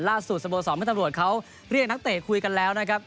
ล่าสุดสะโมสรปกนักตำรวจเขาเรียกนักเต้คุยกันแล้วนะครับ